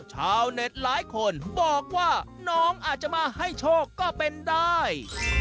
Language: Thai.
ชาวเน็ตหลายคนบอกว่าน้องอาจจะมาให้โชคก็เป็นได้